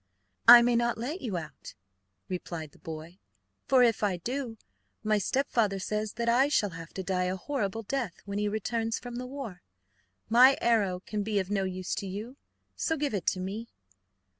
"I may not let you out," replied the boy, "for if I do my stepfather says that I shall have to die a horrible death when he returns from the war. My arrow can be of no use to you, so give it to me."